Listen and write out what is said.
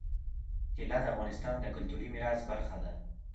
طلا د افغانستان د کلتوري میراث برخه ده.